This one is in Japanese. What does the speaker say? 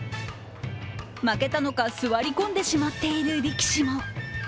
負けたのか、座り込んでしまっている力士も。